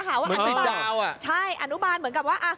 ว่าอนุบาลอ่ะใช่อนุบาลเหมือนกับว่า